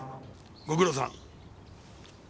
ご苦労さん。